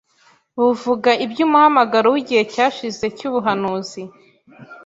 buvuga iby'umuhamagaro w'igihe cyashize cy'ubuhanuzi